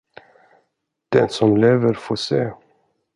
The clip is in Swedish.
Den som lever får se.